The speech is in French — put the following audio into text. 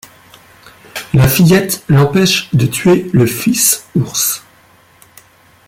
La fillette l’empêche de tuer le fils ours.